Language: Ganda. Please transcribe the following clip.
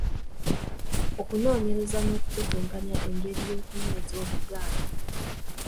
Okunoonyereza n'okuteteenkanya engeri y'okunyweza Obuganda.